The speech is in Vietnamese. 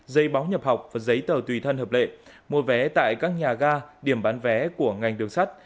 dây báo nhập học và giấy tờ tùy thân hợp lệ mua vé tại các nhà ga điểm bán vé của ngành đường sắt